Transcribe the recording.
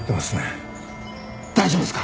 大丈夫ですか？